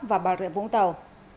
và bà rịa vũng tàu